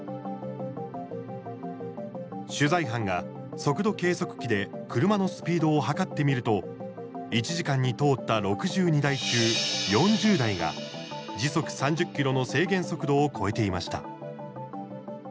取材班が速度計測器で車のスピードを測ってみると１時間に通った６２台中４０台が時速３０キロの制限速度を超えていました。